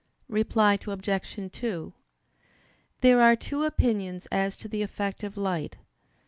Reply Obj. 2: There are two opinions as to the effect of light.